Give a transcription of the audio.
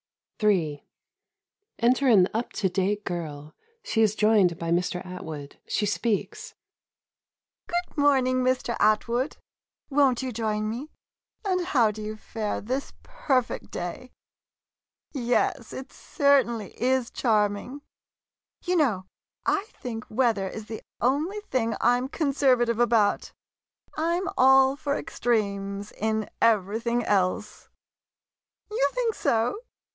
] in Enter an up to date girl. She is joined by Mr. Atwood She speaks Good morning, Mr. Atwood. Won't you join me? And how do you fare this perfect 56 SUBURBANITES day? Yes, it certainly is charming. You know, I think weather is the only thing I 'm conservative about — I 'm all for extremes in everything else. You think so?